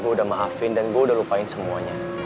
gue udah maafin dan gue udah lupain semuanya